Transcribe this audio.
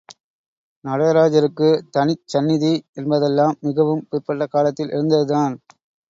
நடராஜருக்குத் தனிச் சந்நிதி என்பதெல்லாம் மிகவும் பிற்பட்ட காலத்தில் எழுந்ததுதான்.